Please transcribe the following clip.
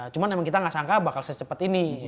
cuma memang kita nggak sangka bakal secepat ini